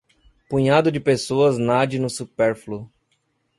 punhado de pessoas nade no supérfluo